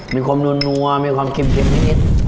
มีความนัวมีความเค็มนิด